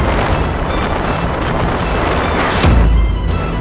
bidob raden kian santang